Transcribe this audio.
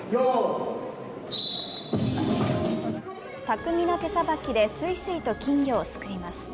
巧みな手さばきですいすいと金魚をすくいます。